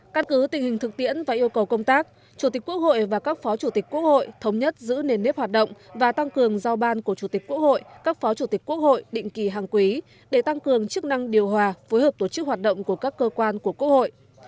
căn cứ tình hình thực tiễn và yêu cầu công tác chủ tịch quốc hội và các phó chủ tịch quốc hội thống nhất giữ nền nếp hoạt động và tăng cường giao ban của chủ tịch quốc hội các phó chủ tịch quốc hội định kỳ hàng quý để tăng cường chức năng điều hòa phối hợp tổ chức hoạt động của các cơ quan của quốc hội